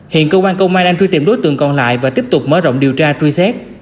hiện cơ quan công an đang truy tìm đối tượng còn lại và tiếp tục mở rộng điều tra truy xét